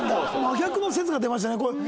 真逆の説が出ましたねこれ。